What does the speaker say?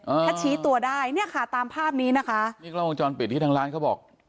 ถ้าชี้ตัวได้เนี่ยค่ะตามภาพนี้นะคะนี่กล้องวงจรปิดที่ทางร้านเขาบอก